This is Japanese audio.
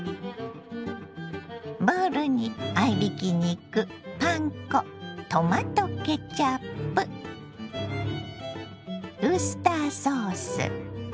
ボウルに合いびき肉パン粉トマトケチャップウスターソース